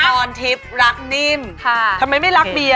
พรทิพย์รักนิ่มทำไมไม่รักเมีย